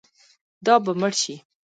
دا به مړ شي.